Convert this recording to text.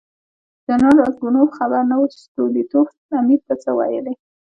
جنرال راسګونوف خبر نه و چې ستولیتوف امیر ته څه ویلي.